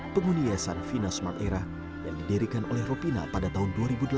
penghuni yayasan vina smart era yang didirikan oleh ropina pada tahun dua ribu delapan